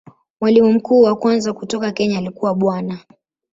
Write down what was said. Mwalimu mkuu wa kwanza kutoka Kenya alikuwa Bwana.